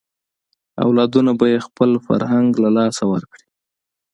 اولادونه به یې خپل فرهنګ له لاسه ورکړي.